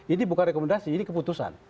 ini bukan rekomendasi ini keputusan